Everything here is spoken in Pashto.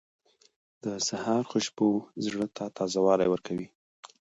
• د سهار خوشبو زړه ته تازهوالی ورکوي.